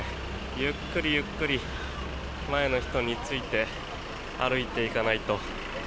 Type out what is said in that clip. ゆっくりゆっくり前の人について歩いていかないと。